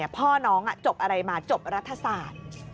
พ่อน้องจบอะไรมาจบรัฐศาสตร์